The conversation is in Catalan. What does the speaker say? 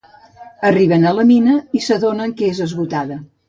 Arriben a la mina, i s'adonen que és esgotada.